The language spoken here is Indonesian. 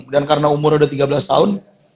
dan karena umur udah tiga belas tahun